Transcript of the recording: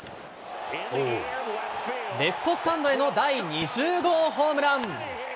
レフトスタンドへの第２０号ホームラン。